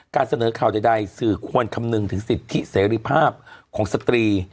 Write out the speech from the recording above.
เสนอข่าวใดสื่อควรคำนึงถึงสิทธิเสรีภาพของสตรี